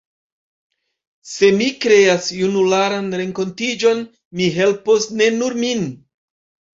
Se mi kreas junularan renkontiĝon, mi helpos ne nur min.